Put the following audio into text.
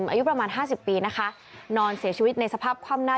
อายุประมาณห้าสิบปีนะคะนอนเสียชีวิตในสภาพคว่ำหน้า